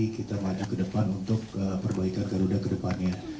kita maju ke depan untuk perbaikan garuda ke depannya